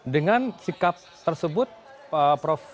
dengan sikap tersebut prof